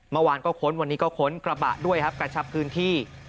เมื่อวานก็ค้นวันนี้ก็ค้นกระบะด้วยครับกระชับพื้นที่